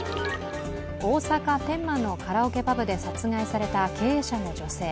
大阪・天満のカラオケパブで殺害された経営者の女性。